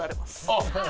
あっ！